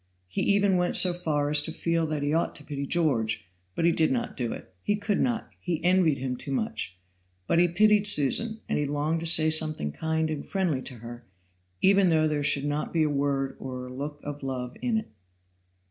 He even went so far as to feel that he ought to pity George, but he did not do it; he could not, he envied him too much; but he pitied Susan, and he longed to say something kind and friendly to her, even though there should not be a word or a look of love in it.